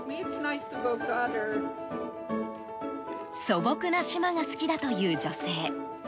素朴な島が好きだという女性。